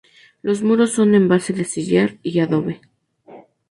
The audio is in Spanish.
Los muros son en base de sillar y adobe.